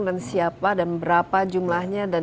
dan siapa dan berapa jumlah yang diundang